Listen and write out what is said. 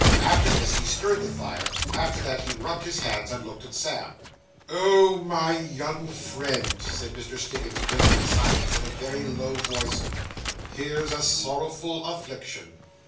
After this, he stirred the fire; after that, he rubbed his hands and looked at Sam. 'Oh, my young friend,' said Mr. Stiggins, breaking the silence, in a very low voice, 'here's a sorrowful affliction!